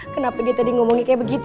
kenapa dia tadi ngomongin kayak begitu